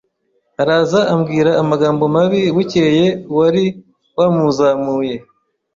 araza ambwira amagambo mabi bukeye uwari wamuzamuye